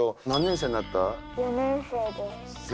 何年生になった？